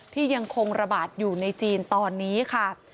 ยังคงระบาดอยู่ในจีนตอนนี้ค่ะ